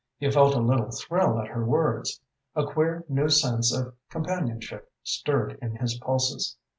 He felt a little thrill at her words. A queer new sense of companionship stirred in his pulses.